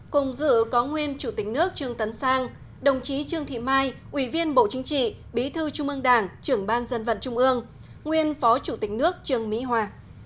cùng dự có nguyên chủ tịch nước trương tấn sang đồng chí trương thị mai ủy viên bộ chính trị bí thư trung ương đảng trưởng ban dân vận trung ương nguyên phó chủ tịch nước trương mỹ hoa